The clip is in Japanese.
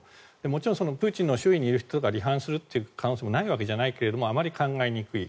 もちろんプーチンの周囲にいる人が離反する可能性もないわけじゃないけれどあまり考えにくい。